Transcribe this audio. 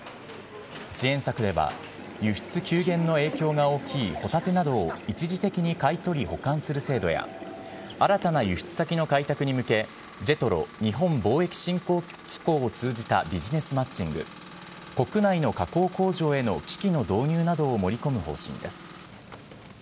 支援策では、輸出急減の影響が大きいホタテなどを一時的に買い取り保管する制度や、新たな輸出先の開拓に向け、ＪＥＴＲＯ・日本貿易振興機構を通じたビジネスマッチング、国内の加工工場への機器の導入などを盛り込む方針です。